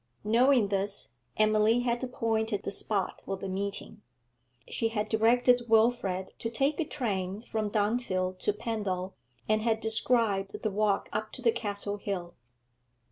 Knowing this, Emily had appointed the spot for the meeting. She had directed Wilfrid to take a train from Dunfield to Pendal, and had described the walk up to the castle hill.